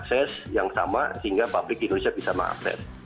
sehingga publik di indonesia bisa mengakses